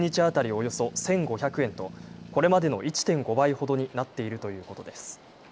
およそ１５００円とこれまでの１．５倍ほどになっているということです。